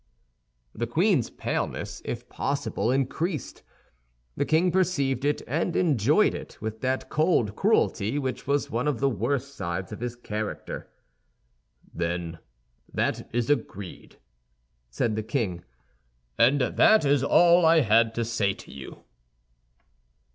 The queen's paleness, if possible, increased; the king perceived it, and enjoyed it with that cold cruelty which was one of the worst sides of his character. "Then that is agreed," said the king, "and that is all I had to say to you."